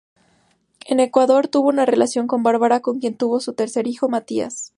En Ecuador tuvo una relación con Bárbara, con quien tuvo su tercer hijo, Matías.